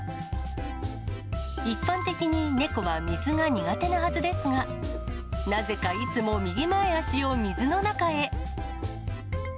一般的に猫は水が苦手なはずですが、なぜかいつも右前足を水の中へ。